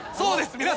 皆さん。